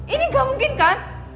ini gak mungkin kan